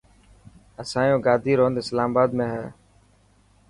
اسايو گادي رو هند اسلام آباد ۾ هي .